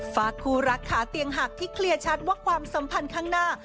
ฝากคู่รักขาเตียงหักที่เคลียร์ชัดว่าความสัมพันธ์ข้างหน้า